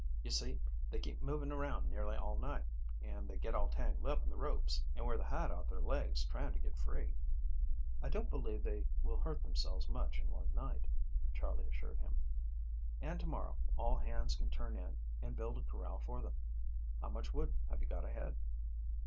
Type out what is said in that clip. You see, they keep moving around nearly all night, and they get all tangled up in the ropes and wear the hide off their legs trying to get free." "I don't believe they will hurt themselves much in one night," Charley assured him, "and to morrow all hands can turn in and build a corral for them. How much wood have you got ahead?"